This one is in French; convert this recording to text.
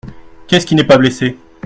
Qu’est-ce qui n’est pas blessé ?…